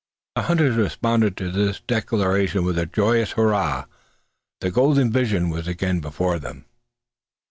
The hunters responded to this declaration with a joyous hurrah. The golden vision was again before them.